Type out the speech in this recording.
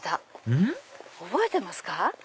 うん？覚えてますか？